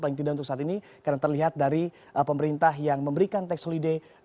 paling tidak untuk saat ini karena terlihat dari pemerintah yang memberikan tax holiday